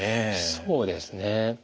そうですね。